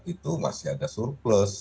itu masih ada surplus